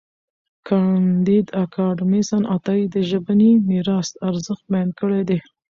کانديد اکاډميسن عطايي د ژبني میراث ارزښت بیان کړی دی.